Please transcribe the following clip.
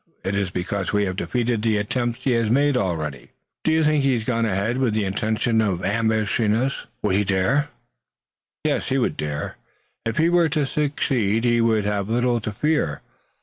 It is because we have defeated the attempts he has made already." "Do you think he has gone ahead with the intention of ambushing us? Would he dare?" "Yes, he would dare. If he were to succeed he would have little to fear.